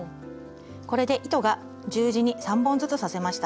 これで糸が十字に３本ずつ刺せました。